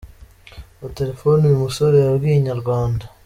wa telefoni, uyu musore yabwiye Inyarwanda.